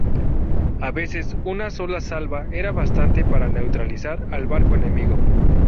A veces una sola salva era bastante para neutralizar al barco enemigo.